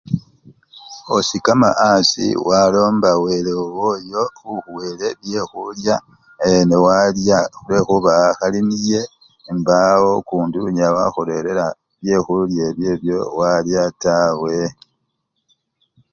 Osikama asii walomba wele wowo oyo okhuwele byekhulya newalya lwekhuba akhali niye, embawo okundi onyala wakhurerera byekhulya ebyebyo walya tawe.